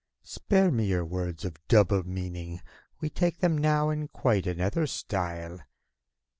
Spare me your words of double meaning! We take them now in quite another style.